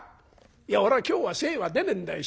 いや俺は今日は精は出ねえんだよ。